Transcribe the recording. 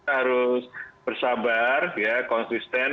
harus bersabar ya konsisten